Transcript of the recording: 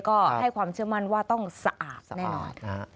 ก็ให้ความเชื่อมั่นว่าต้องสะอาดแน่นอน